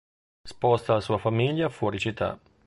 Sposta la sua famiglia fuori città.